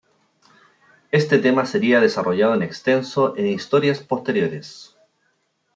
Este tema sería desarrollado en extenso en historias posteriores.